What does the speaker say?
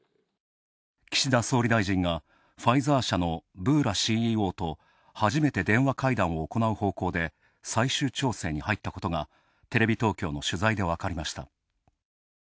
岸田総理大臣がファイザー社のブーラＣＥＯと初めて電話会談を行う方向で最終調整に入ったことがテレビ東京の取材で分かりました。